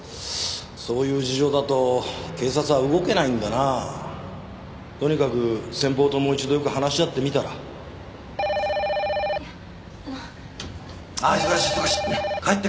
そういう事情だと警察は動けないんだなとにかく先方ともう一度よく話し合っ・☎いやあのああ忙しい忙しい帰って！